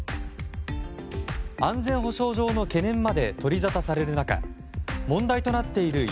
安全保障上の懸念まで取りざたされる中問題となっている屋